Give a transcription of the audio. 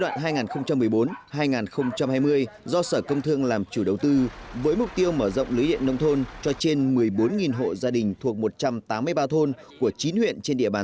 rất là tiện